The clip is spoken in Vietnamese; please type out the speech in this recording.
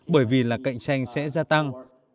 bởi vì là cạnh tranh sẽ gia tăng